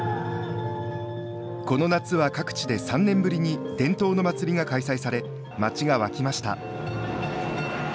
この夏は各地で３年ぶりに伝統の祭りが開催され街が沸きました。